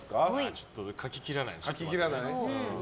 ちょっと書ききらない。